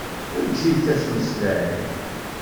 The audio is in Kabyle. Eǧǧ-itt ad tmeslay!